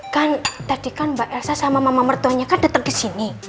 kan tadi kan mbak elsa sama mama mertuanya kan dateng kesini